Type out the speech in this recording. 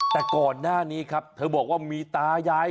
แต่ก่อนหน้านี้ครับเธอบอกว่ามีตายาย